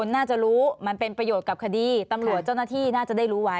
น่าจะรู้มันเป็นประโยชน์กับคดีตำรวจเจ้าหน้าที่น่าจะได้รู้ไว้